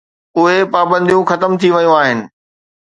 اهي پابنديون ختم ٿي ويون آهن.